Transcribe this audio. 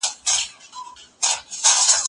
د لارښود او شاګرد اړیکه باید ښه وي.